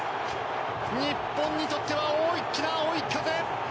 日本にとっては大きな追い風。